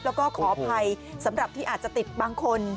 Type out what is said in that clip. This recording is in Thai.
แล้วก็ขออภัยสำหรับที่อาจจะติดบางคน